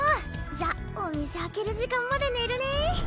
じゃあお店開ける時間まで寝るね。